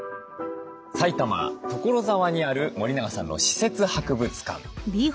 埼玉・所沢にある森永さんの私設博物館。